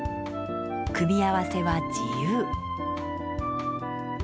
組み合わせは自由。